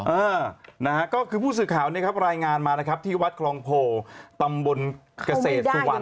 เออนะฮะก็คือผู้สื่อข่าวเนี่ยครับรายงานมานะครับที่วัดคลองโพตำบลเกษตรสุวรรณ